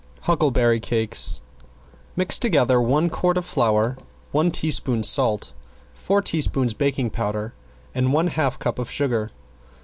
~HUCKLEBERRY CAKES~ Mix together one quart of flour, one teaspoon salt, four teaspoons baking powder and one half cup of sugar.